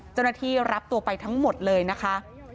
เจ้าหน้าที่รับตัวไปทั้งหมดเลยนะคะ